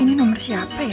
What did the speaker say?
ini nomer siapa ya